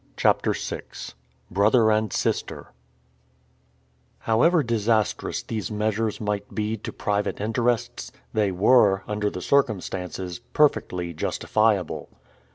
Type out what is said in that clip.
CHAPTER VI BROTHER AND SISTER HOWEVER disastrous these measures might be to private interests, they were, under the circumstances, perfectly justifiable.